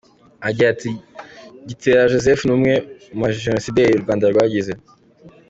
Agira ati” Gitera Joseph ni umwe mu bajenosideri u Rwanda rwagize.